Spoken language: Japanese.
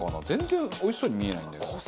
全然おいしそうに見えないんだけど。